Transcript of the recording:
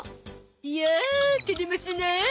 いや照れますな。